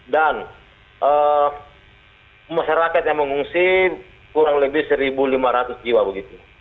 dan masyarakat yang mengungsi kurang lebih satu lima ratus jiwa begitu